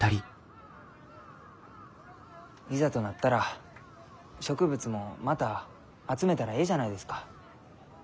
いざとなったら植物もまた集めたらえいじゃないですか。